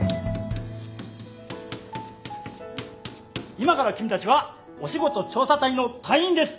今から君たちはお仕事調査隊の隊員です。